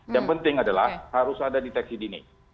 yang penting adalah harus ada deteksi dini